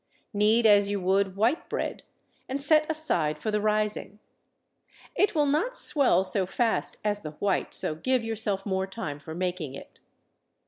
Knead as you would white bread, and set aside for the rising. It will not swell so fast as the white, so give yourself more time for making it.